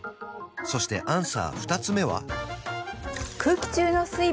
そしてアンサー二つ目は？